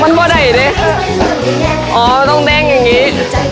มันพอไหนเนี่ยอ๋อต้องเด้งแบบนี้